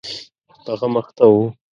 په غم اخته و.